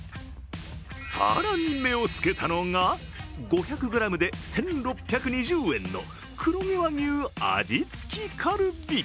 更に目をつけたのが５００ｇで１６２０円の黒毛和牛・味付きカルビ。